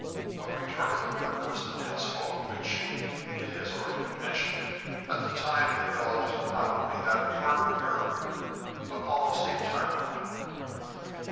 What retarded the work was the dense fog which, it has been already mentioned, at that time enveloped not only that part of Europe, but almost the entire world.